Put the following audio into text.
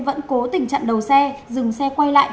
vẫn cố tình chặn đầu xe dừng xe quay lại